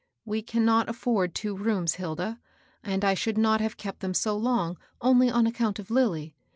We cannot afford two rooms, Hilda ; and I should not have kept them so long, only on account of Lilly.